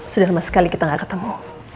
sudah lama sekali kita gak ketemu